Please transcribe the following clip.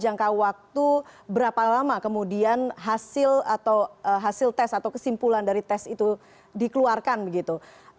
jangka waktu berapa lama kemudian hasil atau hasil tes atau kesimpulan dari tes itu dikeluarkan begitu